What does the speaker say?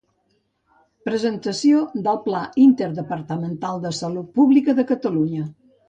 Presentació del Pla interdepartamental de salut pública de Catalunya.